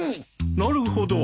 なるほど。